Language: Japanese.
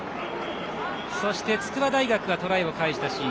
そして、筑波大学がトライを返したシーン。